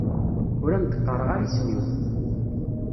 Ur am-d-qqareɣ ara isem-iw.